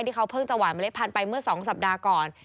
ที่เขาเพิ่งจะหวานเมล็ดพันธุ์ไปเมื่อ๒สัปดาห์ก่อน